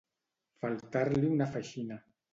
Faltar-li una feixina.